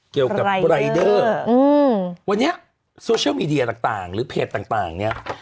เกี่ยวกับรายเดอร์วันนี้โซเชียลมีเดียต่างหรือเพจต่างเนี่ย